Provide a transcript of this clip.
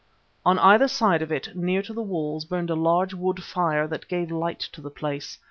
On either side of it, near to the walls, burned a large wood fire that gave light to the place.